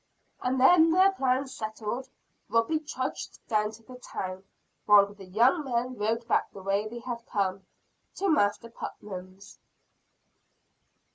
And then, their plans settled, Robie trudged down to the town; while the young men rode back the way they had come, to Master Putnam's.